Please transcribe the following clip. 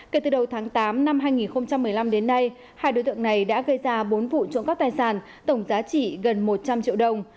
kể từ đầu tháng tám năm hai nghìn một mươi năm đến nay hai đối tượng này đã gây ra bốn vụ trộm cắp tài sản tổng giá trị gần một trăm linh triệu đồng